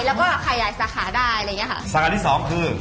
แล้วก็ขยายสาขาได้สาขาที่สองคือ